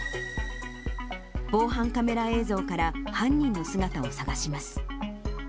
防犯カメラ映像から犯人の姿を探します。